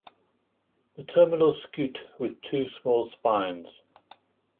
The terminal scute with two small spines.